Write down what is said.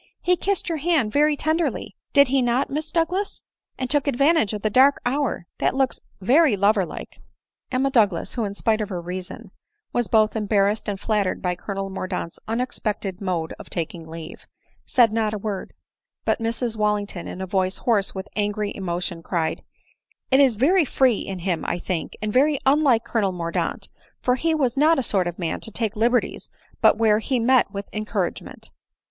"■ He kissed your hand very tenderly — did he not Miss Doug las ? and took advantage of the dark hour ; that looks very lover like." Emma Douglas, who, in spite of her reason, was both embarrassed and flattered by Colonel Mordaunt's unex pected mode of taking leave, said not a word ; but Mrs Wallington, in a voice hoarse with angry emotion, cried :" It was very free in him, I think, and very unlike Colonel Mordaunt ; for he was not a sort of man to take liberties but where he met with encouragement."